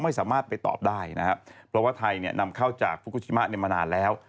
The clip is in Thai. ไม่สามารถไปตอบได้นะครับเพราะว่าไทยเนี่ยนำเข้าจากฟุกูชิมะเนี่ยมานานแล้ว